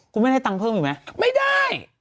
คุณไม่ได้ตังค์เพิ่มอีกไหมไม่ได้